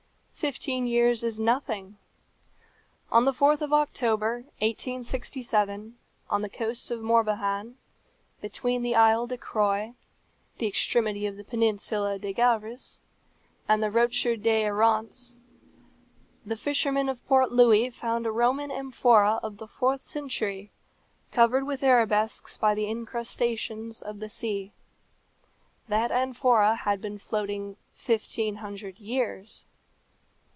Fifteen years is nothing. On the 4th of October 1867, on the coast of Morbihan, between the Isle de Croix, the extremity of the peninsula de Gavres, and the Rocher des Errants, the fishermen of Port Louis found a Roman amphora of the fourth century, covered with arabesques by the incrustations of the sea. That amphora had been floating fifteen hundred years.